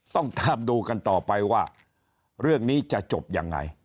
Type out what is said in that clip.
ต้องตามดูกันต่อไปว่าเรื่องนี้จะจบยังไง